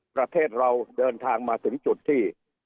ประเทศเราเดินทางมาถึงจุดที่